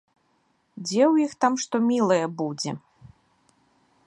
Дзе ў іх там што мілае будзе!